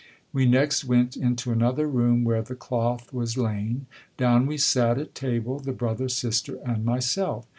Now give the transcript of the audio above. We next went into another room, where the cloth was lain. Down we sat at table, the brother, sister, and myself.